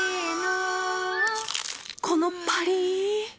このパリッ！